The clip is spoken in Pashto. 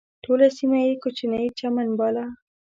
ټوله سیمه یې کوچنی چمن باله.